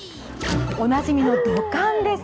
おなじみの土管です。